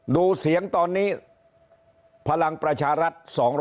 ดูเสียงตอนนี้พลังประชารัฐ